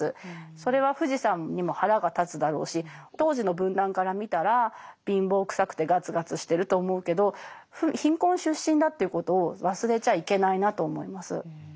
それは富士山にも腹が立つだろうし当時の文壇から見たら貧乏くさくてガツガツしてると思うけど貧困出身だということを忘れちゃいけないなと思います。